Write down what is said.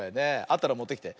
あったらもってきて。